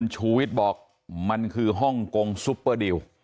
ชูวิทย์บอกมันคือฮ่องกงซุปเปอร์ดิว